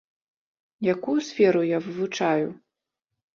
Якую сферу я вывучаю?